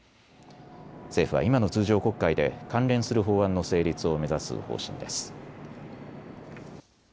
政府は今の通常国会で関連する法案の成立を目指す方針です。